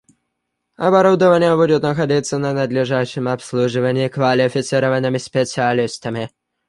Оборудование будет находиться на надлежащем обслуживании квалифицированными специалистами